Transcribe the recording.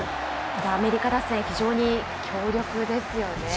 アメリカ打線、非常に強力ですよね。